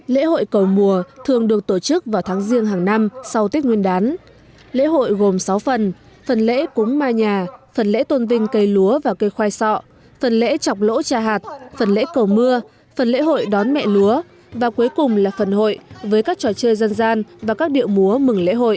lễ hội cầu mùa thường được tổ chức vào tháng riêng hàng năm sau tết nguyên đán lễ hội gồm sáu phần phần lễ cúng mai nhà phần lễ tôn vinh cây lúa và cây khoai sọ phần lễ chọc lỗ trà hạt phần lễ cầu mưa phần lễ hội đón mẹ lúa và cuối cùng là phần hội với các trò chơi dân gian và các điệu múa mừng lễ hội